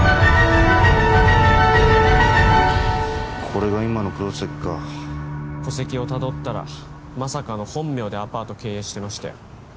これが今の黒崎か戸籍をたどったらまさかの本名でアパート経営してましたよ